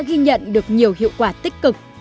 ghi nhận được nhiều hiệu quả tích cực